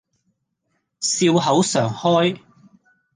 笑口常開